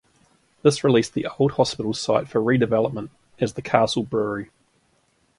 This released the old hospital site for redevelopment as the Castle Brewery.